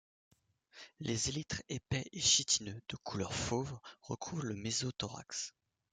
Les élytres épais et chitineux de couleur fauve recouvrent le mésothorax.